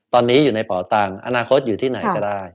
ตอนนี้อยู่ในเป่าตังค์อนาคตอยู่ที่ไหนก็ได้